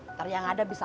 ntar yang ada bisa